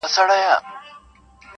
چي تر شمېر او تر حساب یې تېر سي مړي -